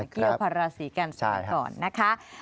เกี่ยวพาราศีกันสดก่อนนะคะ